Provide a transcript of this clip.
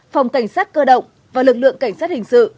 phòng cảnh sát cơ động và lực lượng cảnh sát hình sự